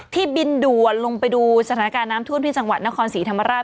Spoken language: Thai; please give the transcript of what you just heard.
บินด่วนลงไปดูสถานการณ์น้ำท่วมที่จังหวัดนครศรีธรรมราช